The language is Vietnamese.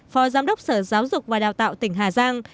phó giám đốc sở giáo dục và đào tạo tỉnh hà giang